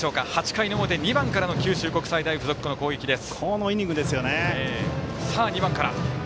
８回の表、２番からの九州国際大付属です。